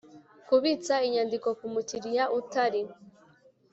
kubitsa inyandiko ku mu kiliya utari